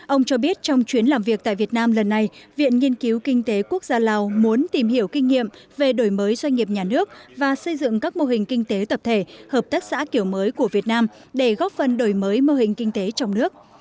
ông cho biết trong chuyến làm việc tại việt nam lần này viện nghiên cứu kinh tế quốc gia lào muốn tìm hiểu kinh nghiệm về đổi mới doanh nghiệp nhà nước và xây dựng các mô hình kinh tế tập thể hợp tác xã kiểu mới của việt nam để góp phần đổi mới mô hình kinh tế trong nước